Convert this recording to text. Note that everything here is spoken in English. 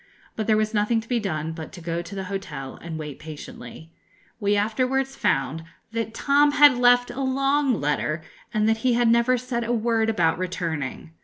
But there was nothing to be done but to go to the hotel and wait patiently. We afterwards found that Tom had left a long letter, and that he had never said a word about returning.